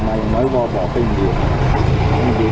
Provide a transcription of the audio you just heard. เมื่อเวลาอันดับสุดท้ายมันกลายเป็นภูมิที่สุดท้าย